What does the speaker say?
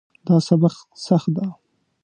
دا سبق سخت ده